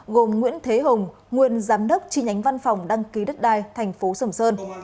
gồm nguyễn thế hùng nguyên giám đốc chi nhánh văn phòng đăng ký đất đai thành phố sầm sơn